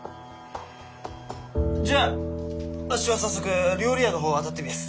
じゃあっしは早速料理屋の方を当たってみやす。